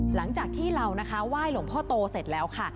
หลังจากที่เรานะคะไหว้หลวงพ่อโตเสร็จแล้วค่ะ